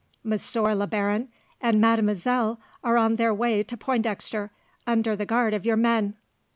Monsieur le Baron and mademoiselle are on their way to Pointdexter, under the guard of your men."